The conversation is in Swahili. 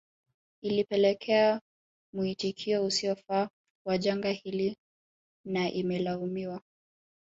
Ilipelekea muitikio usiofaa wa janga hili na imelaumiwa